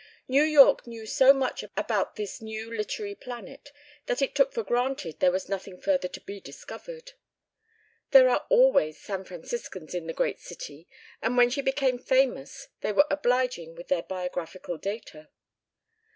New York knew so much about this new literary planet that it took for granted there was nothing further to be discovered. There are always San Franciscans in the great city, and when she became famous they were obliging with their biographical data.